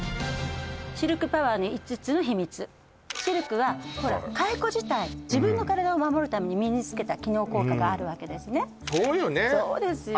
シルクパワーの５つの秘密シルクはほら蚕自体自分の体を守るために身につけた機能効果があるわけですねそうよね